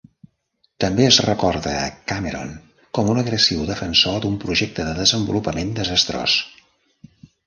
També es recorda a Cameron com un agressiu defensor d'un projecte de desenvolupament desastrós.